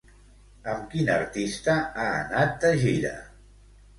Amb quin artista ha anat de gira?